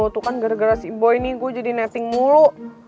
tuh kan gara gara si bo ini gue jadi netting mulu